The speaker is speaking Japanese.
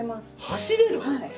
走れる？